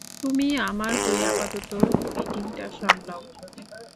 তুমি আমার হয়ে আপাতত মিটিংটা সামলাও।